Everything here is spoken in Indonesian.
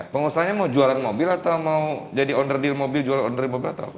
pengusaha mau jualan mobil atau mau jadi owner deal mobil jualan owner mobil atau apa